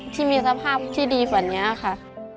ที่มีสภาพที่ดีกว่านี้ค่ะ